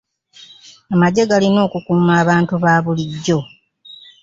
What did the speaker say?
Amagye galina okukuuma abantu ba bulijjo.